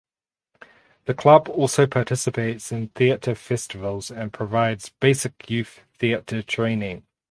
The club also participates in theatre festivals and provides basic youth theatre training.